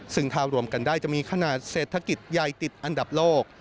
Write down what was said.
ซึ่งถ้ารวมกันได้จะมีขนาดเศรษฐกิจใหญ่ติดอันดับโลก